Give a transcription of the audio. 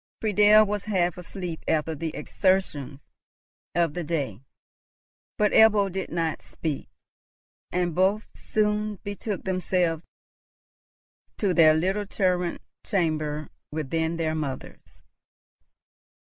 Friedel was half asleep after the exertions of the day; but Ebbo did not speak, and both soon betook themselves to their little turret chamber within their mother's.